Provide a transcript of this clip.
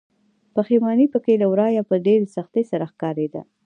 پښيماني پکې له ورايه په ډېرې سختۍ سره ښکاريده.